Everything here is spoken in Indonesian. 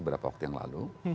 beberapa waktu yang lalu